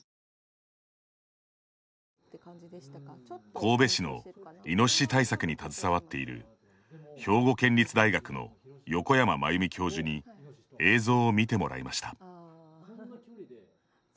神戸市のイノシシ対策に携わっている兵庫県立大学の横山真弓教授に映像を見てもらいました。